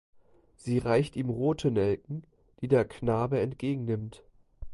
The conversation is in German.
Sie reicht ihm rote Nelken, die der Knabe entgegennimmt.